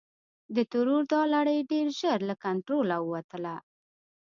د ترور دا لړۍ ډېر ژر له کنټروله ووتله.